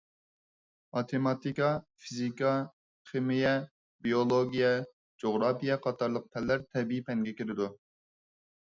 ماتېماتىكا، فىزىكا، خىمىيە، بىئولوگىيە، جۇغراپىيە قاتارلىق پەنلەر تەبىئىي پەنگە كىرىدۇ.